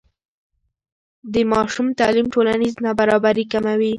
د ماشوم تعلیم ټولنیز نابرابري کموي.